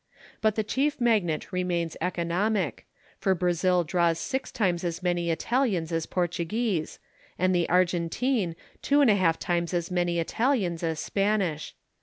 But the chief magnet remains economic, for Brazil draws six times as many Italians as Portuguese, and the Argentine two and a half times as many Italians as Spanish.